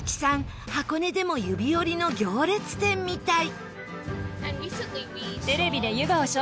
箱根でも指折りの行列店みたい